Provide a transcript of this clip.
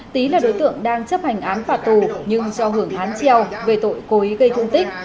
tý là đối tượng đang chấp hành án phạt tù nhưng cho hưởng hán treo về tội cố ý gây thương tích